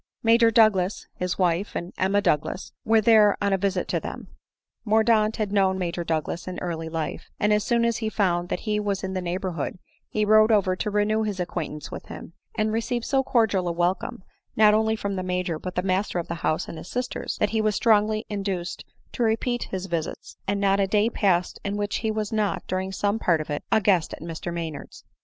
Major Douglas, his wife, and Emma Douglas were then on a visit to them. Mordaunt had known Major Douglas in early life; and as soon as he found that he was in the neighborhood, he rode over to renew his acquaintance with him ; and re ceived so cordial a welcome, not only from the Major, but the master of the house and bis sisters, that he was strongly induced to repeat his visits, and not a day pass ed in which he was not, during some part of it, a guest at Mr Maynard's.